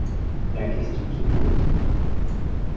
La question se pose.